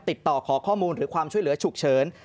ติดต่อขอข้อมูลหรือความช่วยเหลือฉุกเฉิน